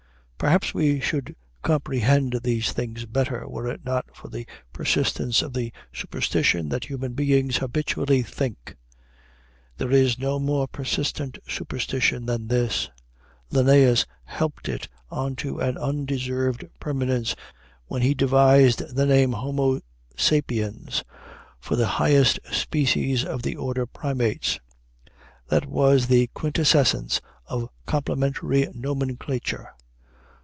Perhaps we should comprehend these things better were it not for the persistence of the superstition that human beings habitually think. There is no more persistent superstition than this. Linnæus helped it on to an undeserved permanence when he devised the name Homo sapiens for the highest species of the order primates. That was the quintessence of complimentary nomenclature.